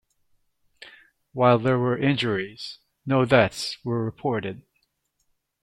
While there were injuries, no deaths were reported.